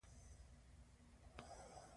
د هغې ږغ ويني په جوش راوستلې دي.